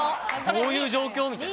どういう状況？みたいな。